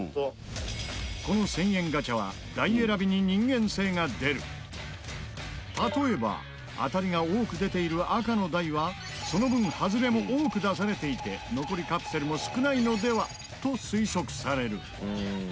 この１０００円ガチャは例えば当たりが多く出ている赤の台はその分ハズレも多く出されていて残りカプセルも少ないのでは？と推測される。